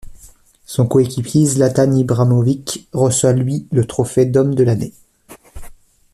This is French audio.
Son coéquipier Zlatan Ibrahimović reçoit lui le trophée d'homme de l'année.